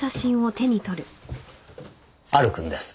アルくんです。